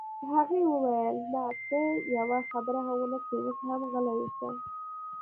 هغې وویل: نه، ته یوه خبره هم ونه کړې، اوس هم غلی اوسه.